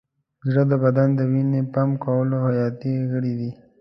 زړه د بدن د وینې پمپ کولو حیاتي غړی دی.